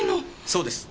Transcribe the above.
そうです。